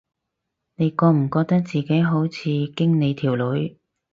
你覺唔覺得自己好似經理條女